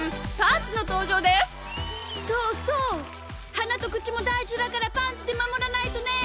はなとくちもだいじだからパンツでまもらないとね！